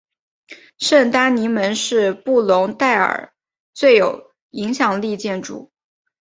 圣丹尼门是布隆代尔最有影响力建筑。